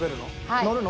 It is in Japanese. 乗るの？